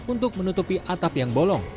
untuk menutupi atap yang bolong